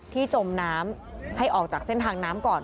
จมน้ำให้ออกจากเส้นทางน้ำก่อน